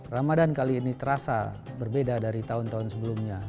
ramadan kali ini terasa berbeda dari tahun tahun sebelumnya